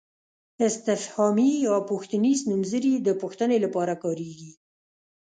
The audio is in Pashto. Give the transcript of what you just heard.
استفهامي یا پوښتنیز نومځري د پوښتنې لپاره کاریږي.